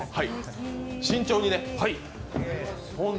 慎重にね。